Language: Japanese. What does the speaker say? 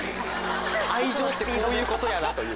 愛情ってこういうことやなという。